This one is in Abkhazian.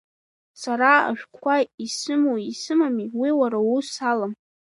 Сара ашәҟәқәа исымоуи исымами, уи уара уус алам!